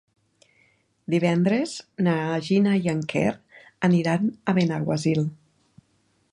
Divendres na Gina i en Quer aniran a Benaguasil.